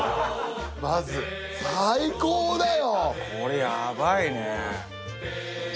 まず最高だよ！